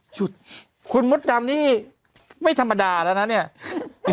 สุดคุณมดดำนี่ไม่ธรรมดาแล้วนะเนี่ย